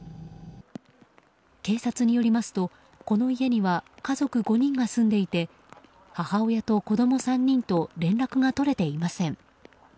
警察によりますとこの家には家族５人が住んでいて母親と子供３人と連絡が取れていません。